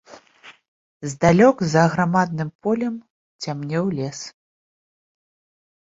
Здалёк за аграмадным полем цямнеў лес.